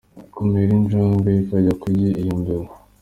Kumira injangwe ikajya kurya iyo mbeba,.